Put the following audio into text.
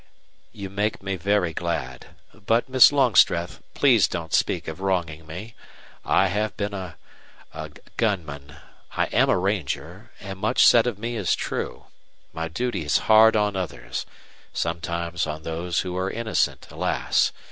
"You make me very glad. But, Miss Longstreth, please don't speak of wronging me. I have been a a gunman, I am a ranger and much said of me is true. My duty is hard on others sometimes on those who are innocent, alas!